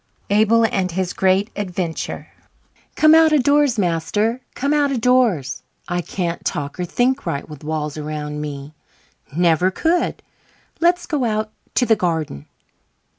Abel and His Great Adventure "Come out of doors, master come out of doors. I can't talk or think right with walls around me never could. Let's go out to the garden."